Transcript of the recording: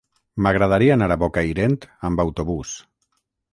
M'agradaria anar a Bocairent amb autobús.